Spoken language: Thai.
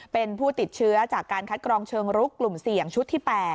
เป็นผู้ติดเชื้อจากการคัดกรองเชิงรุกกลุ่มเสี่ยงชุดที่๘